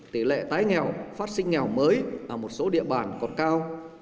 tỷ lệ tái nghèo phát sinh nghèo mới ở một số địa bàn còn cao